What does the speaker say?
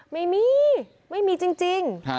ไม่มีไม่มีจริง